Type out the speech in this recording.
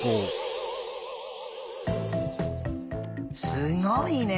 すごいね！